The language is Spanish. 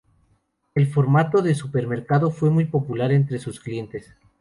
El formato de supermercado fue muy popular entre sus clientes.